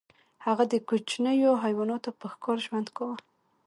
هغه د کوچنیو حیواناتو په ښکار ژوند کاوه.